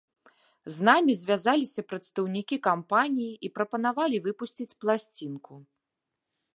З намі звязаліся прадстаўнікі кампаніі і прапанавалі выпусціць пласцінку.